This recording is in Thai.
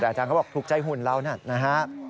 แต่อาจารย์ก็บอกถูกใจหุ่นเรานะฮะ